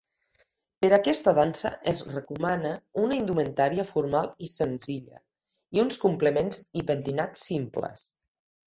Per aquesta dansa es recomana una indumentària formal i senzilla i uns complements i pentinats simples.